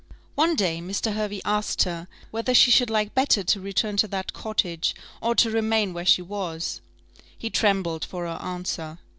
One day Mr. Hervey asked her, whether she should like better to return to that cottage, or to remain where she was? He trembled for her answer.